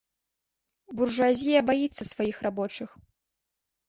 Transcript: Буржуазія баіцца сваіх рабочых.